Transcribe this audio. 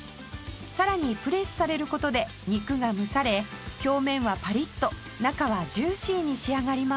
さらにプレスされる事で肉が蒸され表面はパリッと中はジューシーに仕上がります